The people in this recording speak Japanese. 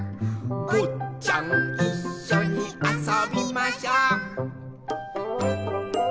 「ぼっちゃんいっしょにあそびましょう」